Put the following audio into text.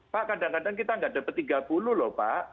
pak kadang kadang kita nggak dapat tiga puluh lho pak